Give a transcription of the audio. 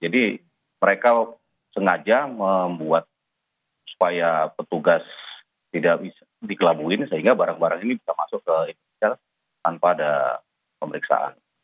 jadi mereka sengaja membuat supaya petugas tidak bisa dikelabuin sehingga barang barang ini bisa masuk ke indonesia tanpa ada pemeriksaan